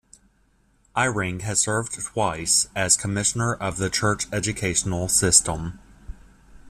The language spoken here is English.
Eyring has served twice as Commissioner of the Church Educational System.